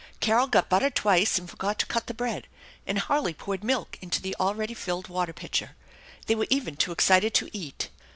Carol got butter twice and forgot to cut the bread, and Harley poured milk into the already filled water pitcher. They were even too excited to eat.